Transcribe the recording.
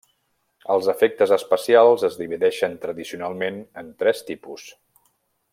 Els efectes especials es divideixen tradicionalment en tres tipus.